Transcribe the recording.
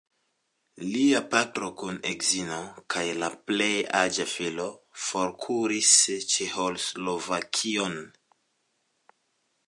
Lia patro kun edzino kaj la plej aĝa filo forkuris Ĉeĥoslovakion.